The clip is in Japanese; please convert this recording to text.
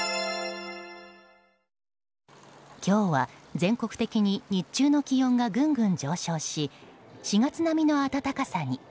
今日は、全国的に日中の気温がぐんぐん上昇し４月並みの暖かさに。